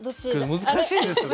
難しいですね。